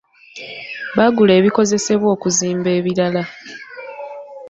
Baagula ebikozesebwa okuzimba ebirala.